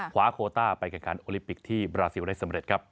คว้าโคต้าไปแข่งขันโอลิปิกที่บราซิลได้สำเร็จครับ